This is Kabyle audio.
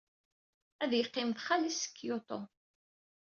Ad yeqqim ed xali-s deg Kyoto.